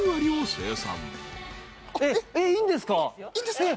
いいんですよ。